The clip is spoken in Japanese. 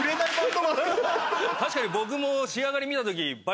確かに僕も仕上がり見た時。